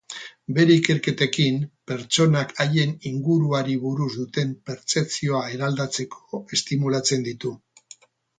Bere ikerketekin, pertsonak haien inguruari buruz duten perzeptzioa eraldatzeko estimulatzen ditu.